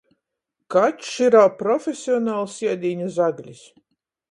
Kačs irā profesionals iedīņa zaglis.